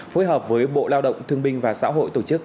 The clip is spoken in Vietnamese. phối hợp với bộ lao động thương binh và xã hội tổ chức